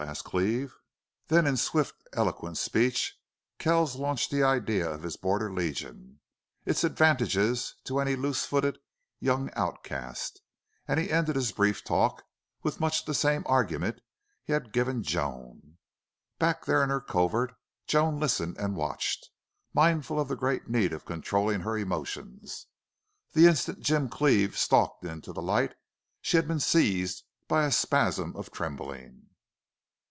asked Cleve. Then in swift, eloquent speech Kells launched the idea of his Border Legion, its advantages to any loose footed, young outcast, and he ended his brief talk with much the same argument he had given Joan. Back there in her covert Joan listened and watched, mindful of the great need of controlling her emotions. The instant Jim Cleve had stalked into the light she had been seized by a spasm of trembling.